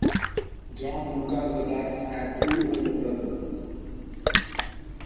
John Doukas Vatatzes had two older brothers.